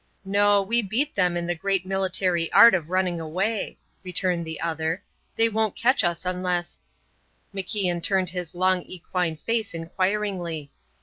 "No, we beat them in the great military art of running away," returned the other. "They won't catch us unless " MacIan turned his long equine face inquiringly.